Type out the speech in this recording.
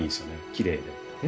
きれいで。